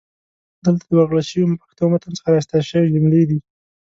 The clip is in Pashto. دلته د ورکړل شوي پښتو متن څخه را ایستل شوي جملې دي: